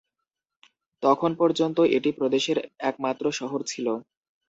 তখন পর্যন্ত এটি প্রদেশের একমাত্র শহর ছিল।